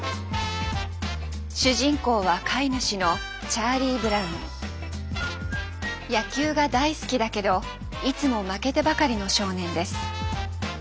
主人公は飼い主の野球が大好きだけどいつも負けてばかりの少年です。